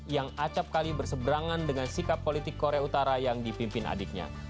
yang acapkali berseberangan dengan sikap politik korea utara yang dipimpin adiknya